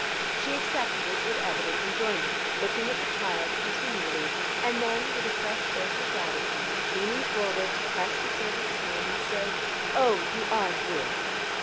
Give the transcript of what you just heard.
She accepted it with evident enjoyment, looking at the child continually, and then, with a fresh burst of gratitude, leaning forward to press the servant's hand and say, "Oh, you are good!"